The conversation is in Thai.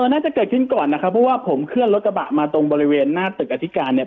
น่าจะเกิดขึ้นก่อนนะครับเพราะว่าผมเคลื่อนรถกระบะมาตรงบริเวณหน้าตึกอธิการเนี่ย